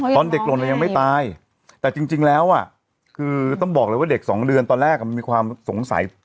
ตอนเด็กหล่นยังไม่ตายแต่จริงแล้วคือต้องบอกเลยว่าเด็กสองเดือนตอนแรกมันมีความสงสัย